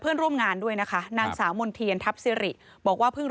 เราต้องเรียกอบรมอยู่แล้วจ้ะเดี๋ยวถ้าเจอ